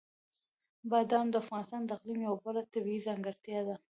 بادام د افغانستان د اقلیم یوه بله طبیعي ځانګړتیا ده.